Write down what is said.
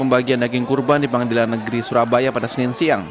pembagian daging kurban di pengadilan negeri surabaya pada senin siang